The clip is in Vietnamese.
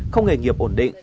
không nghề nghiệp ổn định